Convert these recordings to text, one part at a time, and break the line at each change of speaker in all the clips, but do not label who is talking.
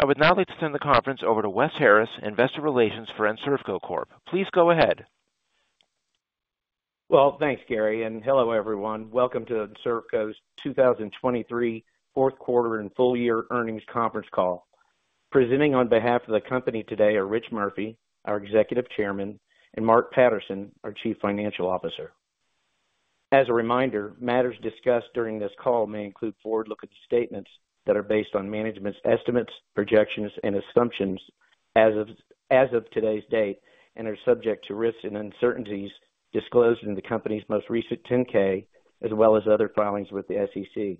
I would now like to turn the conference over to Wes Harris, Investor Relations for Enservco Corp. Please go ahead.
Well, thanks, Gary, and hello everyone. Welcome to Enservco's 2023 fourth quarter and full-year earnings conference call. Presenting on behalf of the company today are Rich Murphy, our Executive Chairman, and Mark Patterson, our Chief Financial Officer. As a reminder, matters discussed during this call may include forward-looking statements that are based on management's estimates, projections, and assumptions as of today's date and are subject to risks and uncertainties disclosed in the company's most recent 10-K as well as other filings with the SEC.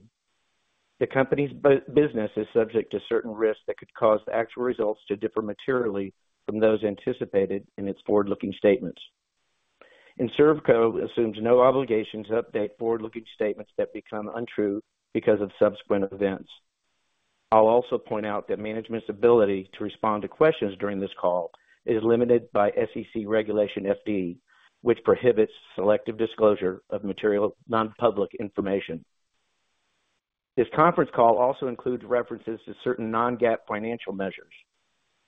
The company's business is subject to certain risks that could cause the actual results to differ materially from those anticipated in its forward-looking statements. Enservco assumes no obligations to update forward-looking statements that become untrue because of subsequent events. I'll also point out that management's ability to respond to questions during this call is limited by SEC Regulation FD, which prohibits selective disclosure of material nonpublic information. This conference call also includes references to certain non-GAAP financial measures.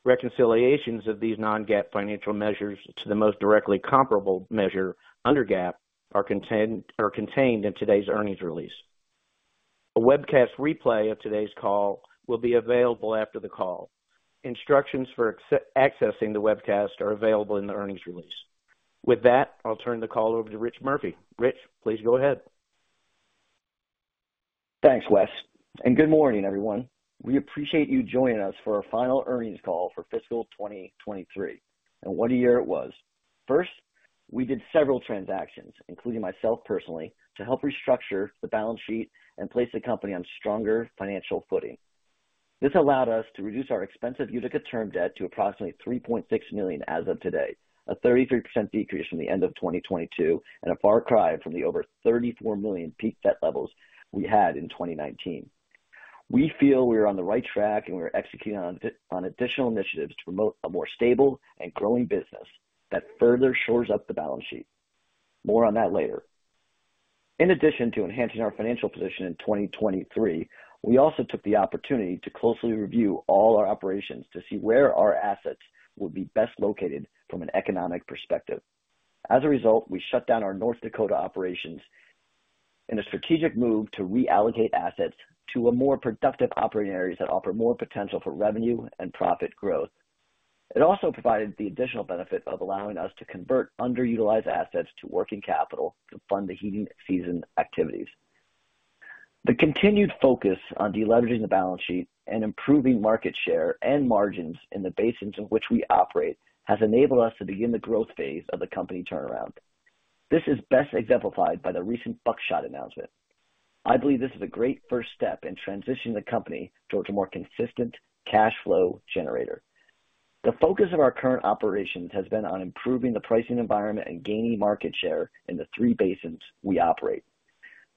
Reconciliations of these non-GAAP financial measures to the most directly comparable measure under GAAP are contained in today's earnings release. A webcast replay of today's call will be available after the call. Instructions for accessing the webcast are available in the earnings release. With that, I'll turn the call over to Rich Murphy. Rich, please go ahead.
Thanks, Wes, and good morning, everyone. We appreciate you joining us for our final earnings call for fiscal 2023 and what a year it was. First, we did several transactions, including myself personally, to help restructure the balance sheet and place the company on stronger financial footing. This allowed us to reduce our expensive Utica term debt to approximately $3.6 million as of today, a 33% decrease from the end of 2022 and a far cry from the over $34 million peak debt levels we had in 2019. We feel we are on the right track and we are executing on additional initiatives to promote a more stable and growing business that further shores up the balance sheet. More on that later. In addition to enhancing our financial position in 2023, we also took the opportunity to closely review all our operations to see where our assets would be best located from an economic perspective. As a result, we shut down our North Dakota operations in a strategic move to reallocate assets to more productive operating areas that offer more potential for revenue and profit growth. It also provided the additional benefit of allowing us to convert underutilized assets to working capital to fund the heating season activities. The continued focus on deleveraging the balance sheet and improving market share and margins in the basins in which we operate has enabled us to begin the growth phase of the company turnaround. This is best exemplified by the recent Buckshot announcement. I believe this is a great first step in transitioning the company towards a more consistent cash flow generator. The focus of our current operations has been on improving the pricing environment and gaining market share in the three basins we operate.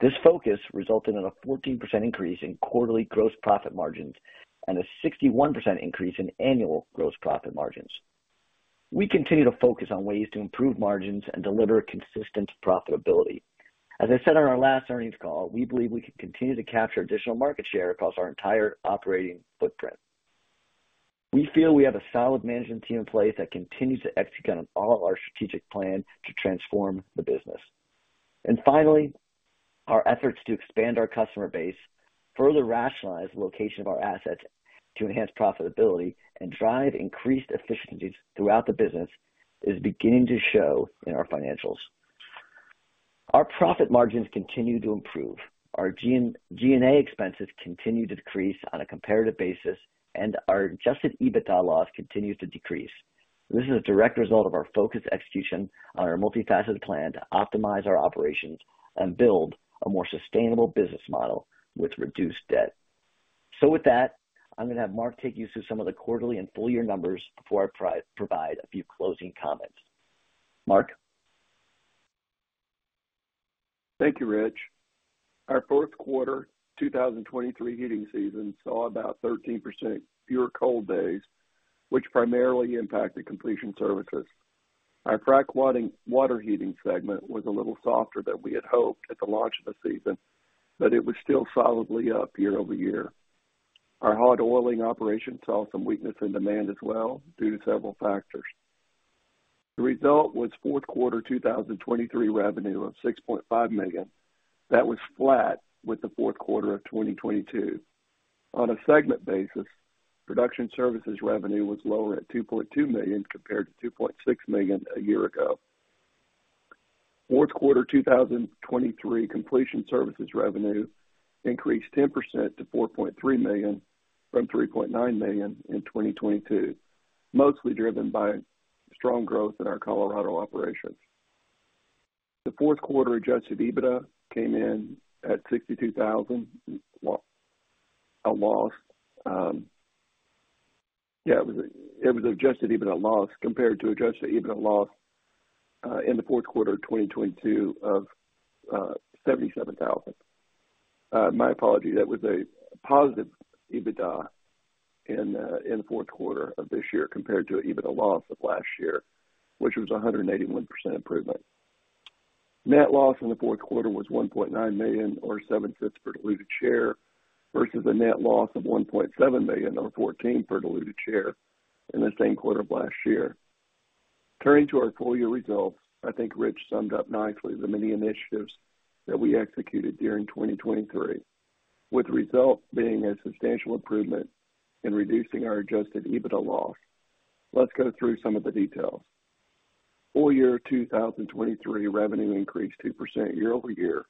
This focus resulted in a 14% increase in quarterly gross profit margins and a 61% increase in annual gross profit margins. We continue to focus on ways to improve margins and deliver consistent profitability. As I said on our last earnings call, we believe we can continue to capture additional market share across our entire operating footprint. We feel we have a solid management team in place that continues to execute on all our strategic plan to transform the business. And finally, our efforts to expand our customer base, further rationalize the location of our assets to enhance profitability, and drive increased efficiencies throughout the business is beginning to show in our financials. Our profit margins continue to improve. Our G&A expenses continue to decrease on a comparative basis, and our adjusted EBITDA loss continues to decrease. This is a direct result of our focused execution on our multifaceted plan to optimize our operations and build a more sustainable business model with reduced debt. So with that, I'm going to have Mark take you through some of the quarterly and full-year numbers before I provide a few closing comments. Mark?
Thank you, Rich. Our fourth quarter 2023 heating season saw about 13% fewer cold days, which primarily impacted completion services. Our frac water heating segment was a little softer than we had hoped at the launch of the season, but it was still solidly up year-over-year. Our hot oiling operation saw some weakness in demand as well due to several factors. The result was fourth quarter 2023 revenue of $6.5 million. That was flat with the fourth quarter of 2022. On a segment basis, production services revenue was lower at $2.2 million compared to $2.6 million a year ago. Fourth quarter 2023 completion services revenue increased 10% to $4.3 million from $3.9 million in 2022, mostly driven by strong growth in our Colorado operations. The fourth quarter Adjusted EBITDA came in at a $62,000 loss. Yeah, it was an adjusted EBITDA loss compared to adjusted EBITDA loss in the fourth quarter of 2022 of $77,000. My apologies. It was a positive EBITDA in the fourth quarter of this year compared to an EBITDA loss of last year, which was 181% improvement. Net loss in the fourth quarter was $1.9 million or $0.07 per diluted share versus a net loss of $1.7 million or $0.14 per diluted share in the same quarter of last year. Turning to our full-year results, I think Rich summed up nicely the many initiatives that we executed during 2023, with the result being a substantial improvement in reducing our adjusted EBITDA loss. Let's go through some of the details. Full year 2023 revenue increased 2% year-over-year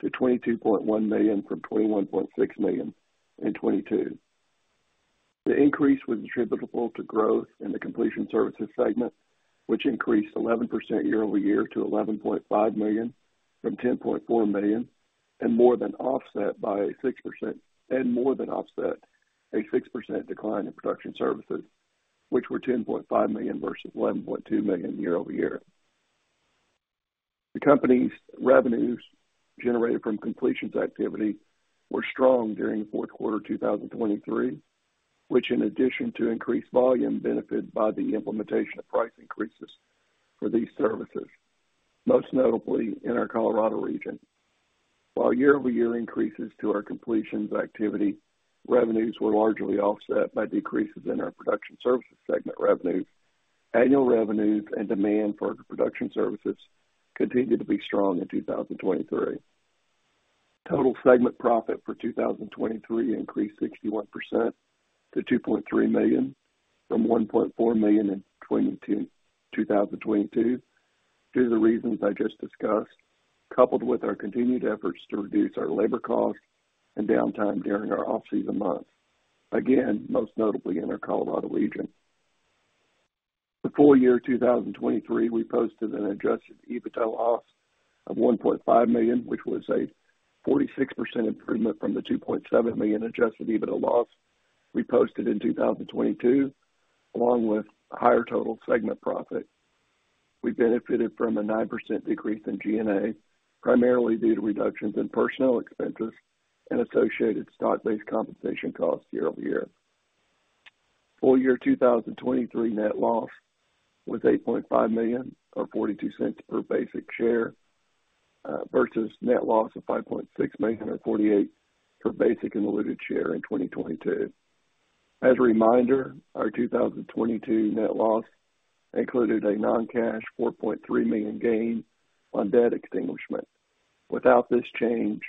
to $22.1 million from $21.6 million in 2022. The increase was attributable to growth in the completion services segment, which increased 11% year-over-year to $11.5 million from $10.4 million and more than offset a 6% decline in production services, which were $10.5 million versus $11.2 million year-over-year. The company's revenues generated from completions activity were strong during the fourth quarter 2023, which in addition to increased volume benefited by the implementation of price increases for these services, most notably in our Colorado region. While year-over-year increases to our completions activity revenues were largely offset by decreases in our production services segment revenues, annual revenues and demand for production services continued to be strong in 2023. Total segment profit for 2023 increased 61% to $2.3 million from $1.4 million in 2022 due to the reasons I just discussed, coupled with our continued efforts to reduce our labor costs and downtime during our off-season months, again, most notably in our Colorado region. The full year 2023, we posted an adjusted EBITDA loss of $1.5 million, which was a 46% improvement from the $2.7 million adjusted EBITDA loss we posted in 2022, along with higher total segment profit. We benefited from a 9% decrease in G&A, primarily due to reductions in personnel expenses and associated stock-based compensation costs year over year. Full year 2023 net loss was $8.5 million or $0.42 per basic share versus net loss of $5.6 million or $0.48 per basic and diluted share in 2022. As a reminder, our 2022 net loss included a non-cash $4.3 million gain on debt extinguishment. Without this change,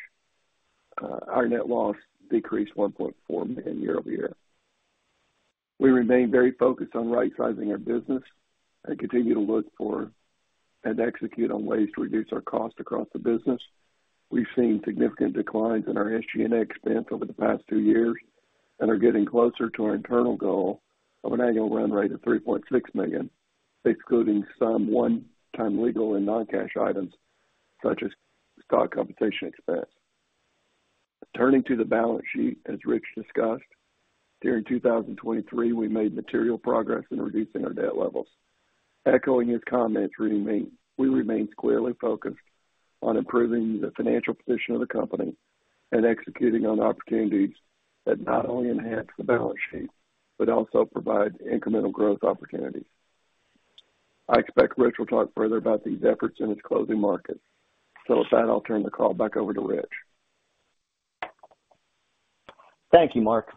our net loss decreased $1.4 million year-over-year. We remain very focused on right-sizing our business and continue to look for and execute on ways to reduce our costs across the business. We've seen significant declines in our SG&A expense over the past two years and are getting closer to our internal goal of an annual run rate of $3.6 million, excluding some one-time legal and non-cash items such as stock compensation expense. Turning to the balance sheet, as Rich discussed, during 2023, we made material progress in reducing our debt levels. Echoing his comments, we remain squarely focused on improving the financial position of the company and executing on opportunities that not only enhance the balance sheet but also provide incremental growth opportunities. I expect Rich will talk further about these efforts in his closing remarks. With that, I'll turn the call back over to Rich.
Thank you, Mark.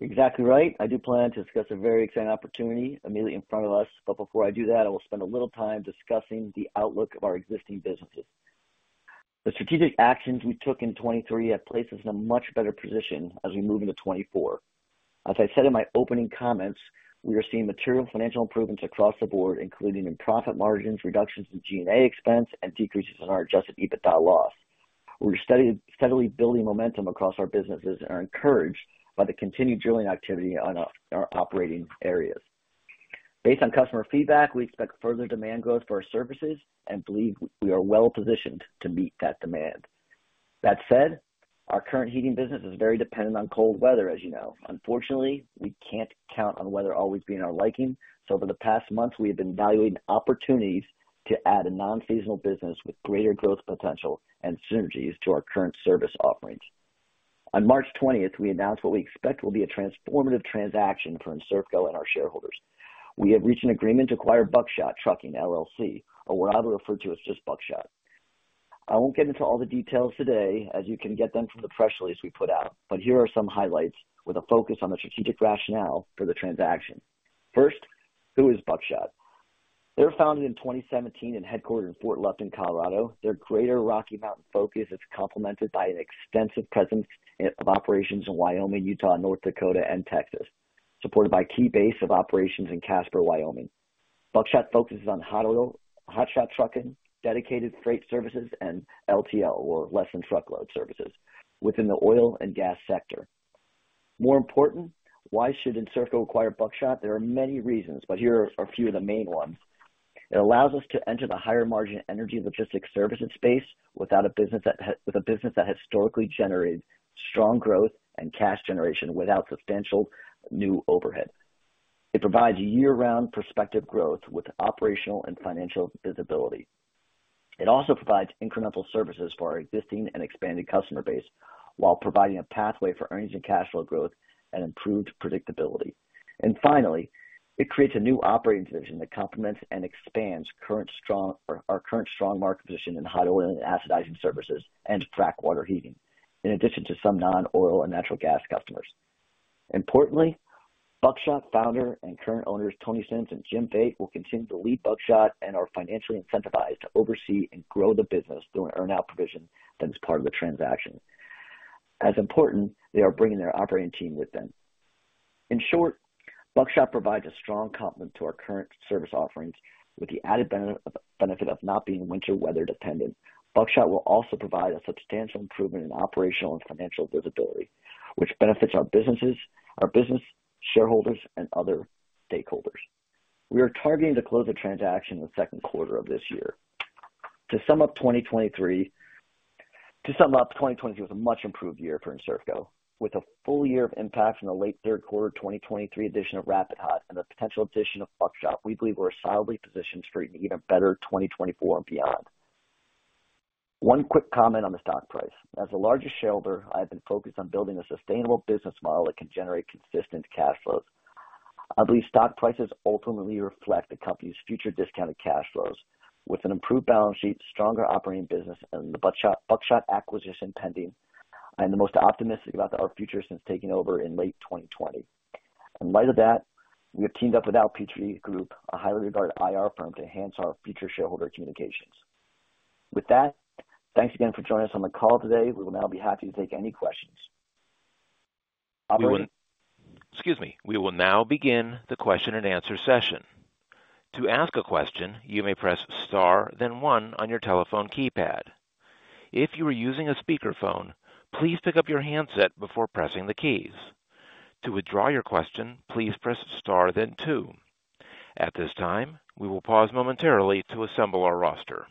Exactly right. I do plan to discuss a very exciting opportunity immediately in front of us, but before I do that, I will spend a little time discussing the outlook of our existing businesses. The strategic actions we took in 2023 have placed us in a much better position as we move into 2024. As I said in my opening comments, we are seeing material financial improvements across the board, including in profit margins, reductions in G&A expense, and decreases in our adjusted EBITDA loss. We're steadily building momentum across our businesses and are encouraged by the continued drilling activity in our operating areas. Based on customer feedback, we expect further demand growth for our services and believe we are well-positioned to meet that demand. That said, our current heating business is very dependent on cold weather, as you know. Unfortunately, we can't count on weather always being our liking, so over the past months, we have been evaluating opportunities to add a non-seasonal business with greater growth potential and synergies to our current service offerings. On March 20th, we announced what we expect will be a transformative transaction for Enservco and our shareholders. We have reached an agreement to acquire Buckshot Trucking, LLC, or what I will refer to as just Buckshot. I won't get into all the details today, as you can get them from the press release we put out, but here are some highlights with a focus on the strategic rationale for the transaction. First, who is Buckshot? They were founded in 2017 and headquartered in Fort Lufton, Colorado. Their greater Rocky Mountain focus is complemented by an extensive presence of operations in Wyoming, Utah, North Dakota, and Texas, supported by a key base of operations in Casper, Wyoming. Buckshot focuses on hot oil, hot shot trucking, dedicated freight services, and LTL, or less-than-truckload services, within the oil and gas sector. More important, why should Enservco acquire Buckshot? There are many reasons, but here are a few of the main ones. It allows us to enter the higher-margin energy logistics services space without a business that historically generated strong growth and cash generation without substantial new overhead. It provides year-round prospective growth with operational and financial visibility. It also provides incremental services for our existing and expanded customer base while providing a pathway for earnings and cash flow growth and improved predictability. And finally, it creates a new operating division that complements and expands our current strong market position in hot oil and acidizing services and frac water heating, in addition to some non-oil and natural gas customers. Importantly, Buckshot founder and current owners Tony Sims and Jim Fate will continue to lead Buckshot and are financially incentivized to oversee and grow the business through an earn-out provision that is part of the transaction. As important, they are bringing their operating team with them. In short, Buckshot provides a strong complement to our current service offerings with the added benefit of not being winter weather dependent. Buckshot will also provide a substantial improvement in operational and financial visibility, which benefits our businesses, our business shareholders, and other stakeholders. We are targeting to close the transaction in the second quarter of this year. To sum up 2023, to sum up, 2023 was a much improved year for Enservco. With a full year of impact in the late third quarter 2023 edition of Rapid Hot and the potential addition of Buckshot, we believe we're solidly positioned for an even better 2024 and beyond. One quick comment on the stock price. As the largest shareholder, I have been focused on building a sustainable business model that can generate consistent cash flows. I believe stock prices ultimately reflect the company's future discounted cash flows. With an improved balance sheet, stronger operating business, and the Buckshot acquisition pending, I am the most optimistic about our future since taking over in late 2020. In light of that, we have teamed up with Al Petrie Advisors, a highly regarded IR firm, to enhance our future shareholder communications. With that, thanks again for joining us on the call today. We will now be happy to take any questions.
Excuse me. We will now begin the question-and-answer session. To ask a question, you may press star, then one, on your telephone keypad. If you are using a speakerphone, please pick up your handset before pressing the keys. To withdraw your question, please press star, then two. At this time, we will pause momentarily to assemble our roster.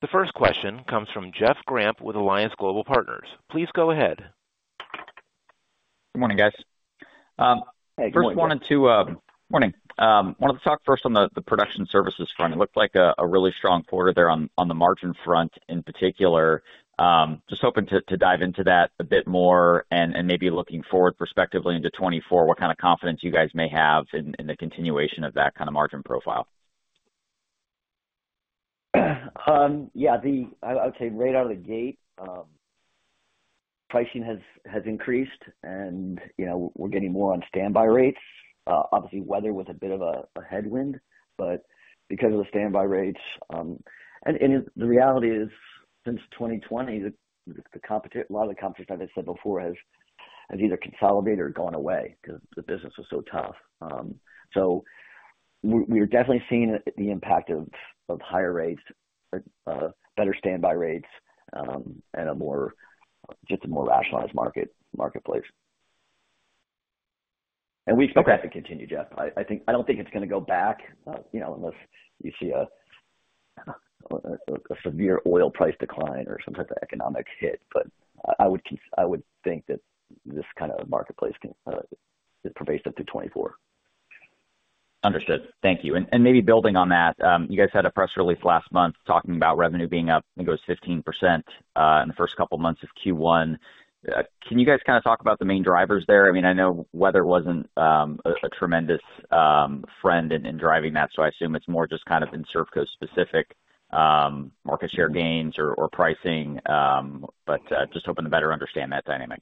The first question comes from Jeff Grampp with Alliance Global Partners. Please go ahead.
Good morning, guys. Wanted to talk first on the Production services front. It looked like a really strong quarter there on the margin front in particular. Just hoping to dive into that a bit more and maybe looking forward, prospectively, into 2024, what kind of confidence you guys may have in the continuation of that kind of margin profile.
Yeah. I would say right out of the gate, pricing has increased, and we're getting more on standby rates. Obviously, weather was a bit of a headwind, but because of the standby rates and the reality is, since 2020, a lot of the competition, as I said before, has either consolidated or gone away because the business was so tough. So we are definitely seeing the impact of higher rates, better standby rates, and just a more rationalized marketplace. And we expect that to continue, Jeff. I don't think it's going to go back unless you see a severe oil price decline or some type of economic hit, but I would think that this kind of marketplace is pervasive through 2024.
Understood. Thank you. Maybe building on that, you guys had a press release last month talking about revenue being up. I think it was 15% in the first couple of months of Q1. Can you guys kind of talk about the main drivers there? I mean, I know weather wasn't a tremendous friend in driving that, so I assume it's more just kind of Enservco-specific market share gains or pricing, but just hoping to better understand that dynamic.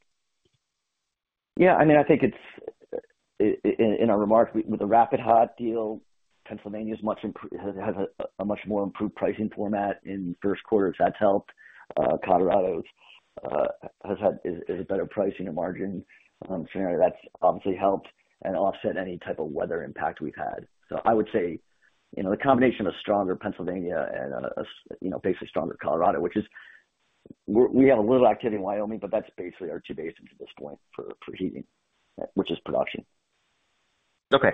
Yeah. I mean, I think it's in our remarks, with the Rapid Hot deal, Pennsylvania has a much more improved pricing format in first quarters. That's helped. Colorado has a better pricing and margin scenario. That's obviously helped and offset any type of weather impact we've had. So I would say the combination of stronger Pennsylvania and basically stronger Colorado, which is we have a little activity in Wyoming, but that's basically our two bases at this point for heating, which is production.
Okay.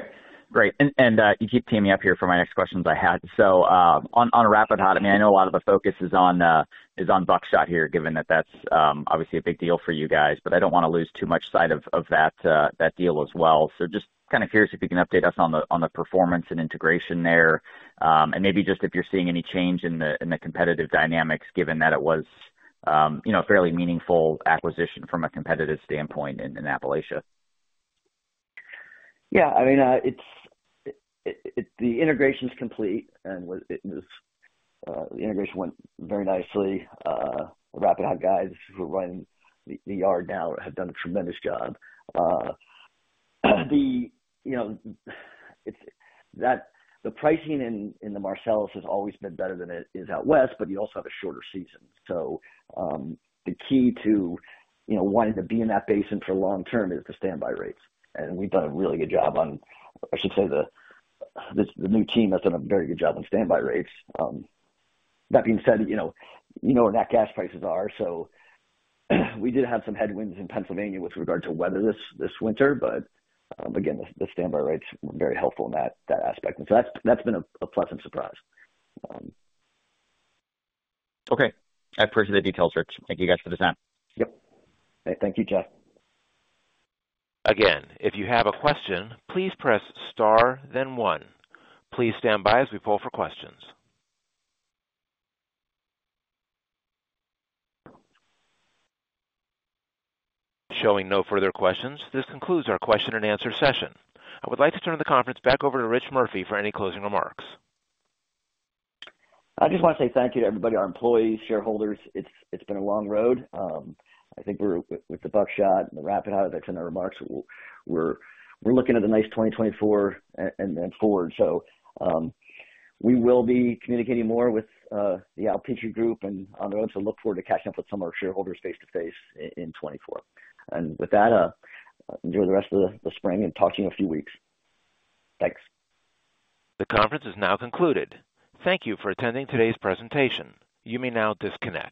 Great. And you keep teeing me up here for my next questions I had. So on Rapid Hot, I mean, I know a lot of the focus is on Buckshot here, given that that's obviously a big deal for you guys, but I don't want to lose too much sight of that deal as well. So just kind of curious if you can update us on the performance and integration there and maybe just if you're seeing any change in the competitive dynamics, given that it was a fairly meaningful acquisition from a competitive standpoint in Appalachia.
Yeah. I mean, the integration's complete, and the integration went very nicely. The Rapid Hot guys who run the yard now have done a tremendous job. The pricing in the Marcellus has always been better than it is out west, but you also have a shorter season. So the key to wanting to be in that basin for long-term is the standby rates. And we've done a really good job on, I should say, the new team has done a very good job on standby rates. That being said, you know what Nat Gas prices are. So we did have some headwinds in Pennsylvania with regard to weather this winter, but again, the standby rates were very helpful in that aspect. And so that's been a pleasant surprise.
Okay. I appreciate the details, Rich. Thank you guys for this time.
Yep. Thank you, Jeff.
Again, if you have a question, please press star, then one. Please stand by as we pull for questions. Showing no further questions. This concludes our question-and-answer session. I would like to turn the conference back over to Rich Murphy for any closing remarks.
I just want to say thank you to everybody, our employees, shareholders. It's been a long road. I think with the Buckshot and the Rapid Hot that I've said in the remarks, we're looking at a nice 2024 and then forward. So we will be communicating more with the Al Petrie Advisors and on the road to look forward to catching up with some of our shareholders face-to-face in 2024. And with that, enjoy the rest of the spring and talk to you in a few weeks. Thanks.
The conference is now concluded. Thank you for attending today's presentation. You may now disconnect.